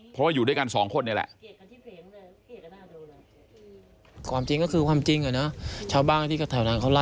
ก็อยู่ด้วยกันสองคนนี่แหละ